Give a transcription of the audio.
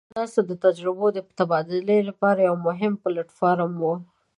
دا ناسته د تجربو د تبادلې لپاره یو مهم پلټ فارم وو.